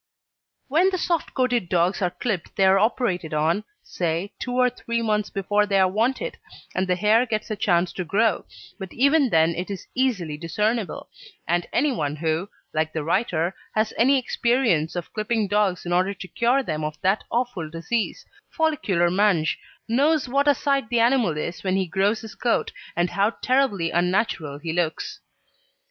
When the soft coated dogs are clipped they are operated on, say, two or three months before they are wanted, and the hair gets a chance to grow, but even then it is easily discernible, and anyone who, like the writer, has any experience of clipping dogs in order to cure them of that awful disease, follicular mange, knows what a sight the animal is when he grows his coat, and how terribly unnatural he looks.